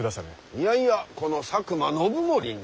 いやいやこの佐久間信盛に。